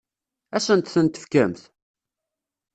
Ad asent-ten-tefkemt?